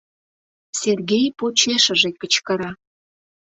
— Сергей почешыже кычкыра.